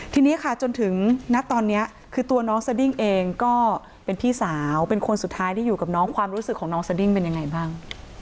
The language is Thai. ทีนี้ค่ะจนถึงณตอนนี้คือตัวน้องสดิ้งเองก็เป็นพี่สาวเป็นคนสุดท้ายที่อยู่กับน้องความรู้สึกของน้องสดิ้งเป็นยังไงบ้าง